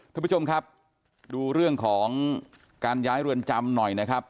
ท่านผู้ชมครับดูเรื่องของการย้ายเรือนจำหน่อยนะครับ